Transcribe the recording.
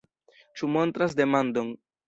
Ĉu montras demandon.